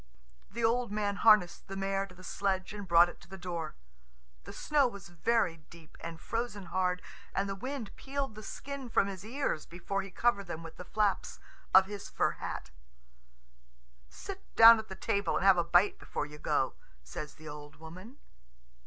The old man harnessed the mare to the sledge and brought it to the door. The snow was very deep and frozen hard, and the wind peeled the skin from his ears before he covered them with the flaps of his fur hat. "Sit down at the table and have a bite before you go," says the old woman.